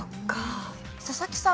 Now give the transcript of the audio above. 佐々木さん